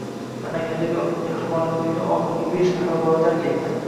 Namangandagi mehribonlik uyini oxirgibeshnafar bola tark etdi